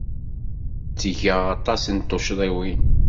Ttgeɣ aṭas n tuccḍiwin.